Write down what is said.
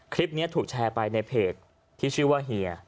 คลิปนี้ถูกแชร์ไปในเพจที่ชื่อว่าเฮีย